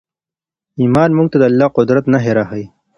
ایمان موږ ته د الله د قدرت نښې راښیي.